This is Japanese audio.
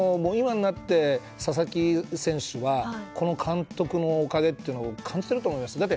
今になって佐々木選手はこの監督のおかげというのを感じてると思います。